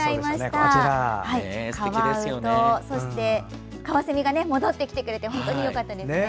カワウとカワセミが戻ってきてくれて本当によかったですね。